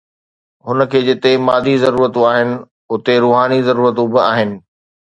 هن کي جتي مادي ضرورتون آهن، اتي روحاني ضرورتون به آهن.